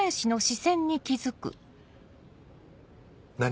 何？